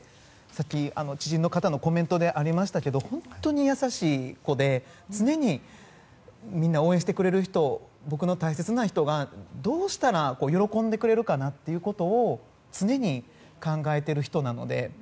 さっき、知人の方のコメントでもありましたけど本当に優しい子で常にみんな応援してくれる人を僕の大切な人がどうしたら喜んでくれるかなっていうことを常に考えている人なので。